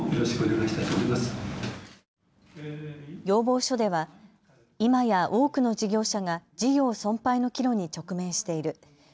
要望書では今や多くの事業者が事業存廃の岐路に直面している。